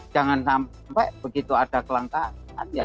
jangan sampai begitu ada kelengkapan ya